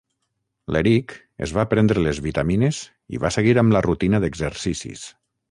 L'Eric es va prendre les vitamines i va seguir amb la rutina d'exercicis.